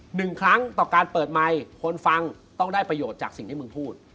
หนึ่งครั้งต่อการเปิดไมค์คนฟังต้องได้ประโยชน์จากสิ่งที่มึงพูด